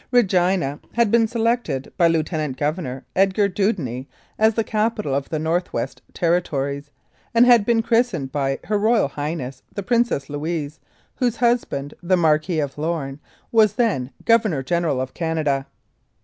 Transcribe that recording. Regina had been selected by Lieutenant Governor Edgar Dewdney as the capital of the North West Terri tories, and had been christened by H.R.H. the Princess Louise, whose husband, the Marquis of Lome, was then Governor General of Canada.